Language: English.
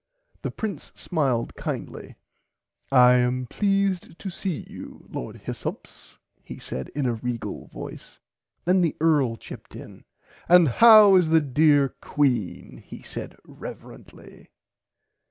The Prince smiled kindly I am pleased to see you Lord Hyssops he said in a regal voice. Then the Earl chipped in and how is the dear Queen he said reveruntly.